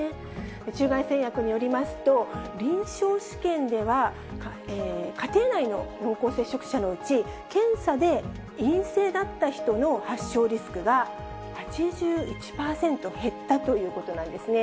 中外製薬によりますと、臨床試験では、家庭内の濃厚接触者のうち、検査で陰性だった人の発症リスクが８１％減ったということなんですね。